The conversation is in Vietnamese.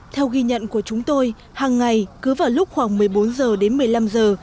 theo ghi nhận của chúng tôi hàng ngày cứ vào lúc khoảng một mươi bốn giờ đến một mươi năm giờ